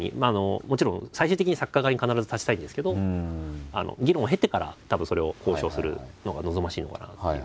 もちろん最終的に作家側に必ず立ちたいんですけど議論を経てからたぶんそれを交渉するのが望ましいのかなという。